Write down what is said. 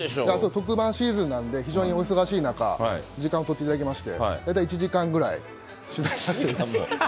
特番シーズンなんで非常にお忙しい中、時間を取っていただきまして、大体１時間ぐらい、取材させていただきました。